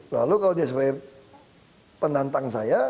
lalu kalau dia sebagai penantang saya